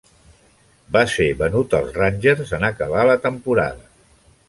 Va ser venut als Rangers en acabar la temporada.